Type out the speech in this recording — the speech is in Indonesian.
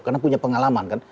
karena punya pengalaman kan